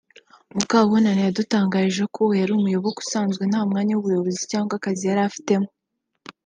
Mukabunani yadutangarije ko uwo yari umuyoboke usanzwe na ntamwanya w’ubuyobozi cyangwa akazi yari afitemo